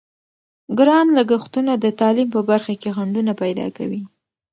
ګران لګښتونه د تعلیم په برخه کې خنډونه پیدا کوي.